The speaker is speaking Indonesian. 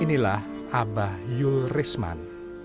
inilah abah yul risman